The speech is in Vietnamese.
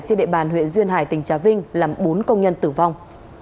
trên địa bàn huyện duyên hải tỉnh trà vinh làm bốn công nhân tử vong